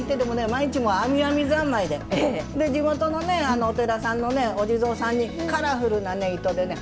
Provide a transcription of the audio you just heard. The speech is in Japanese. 毎日編み編み三昧でで地元のねお寺さんのねお地蔵さんにカラフルなね糸でね